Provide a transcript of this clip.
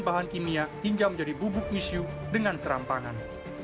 bahan kimia hingga menjadi bubuk misyu dengan serampangan